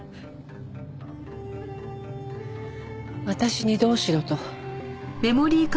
私にどうしろと？